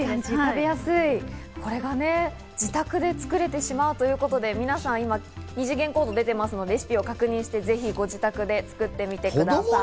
これが自宅で作れてしまうということで、皆さん、今、二次元コードが出ているのでレシピを確認して、ぜひご自宅で作ってみてください。